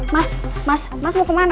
mas mas mas mau kemana